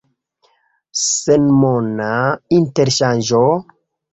Senmona interŝanĝo?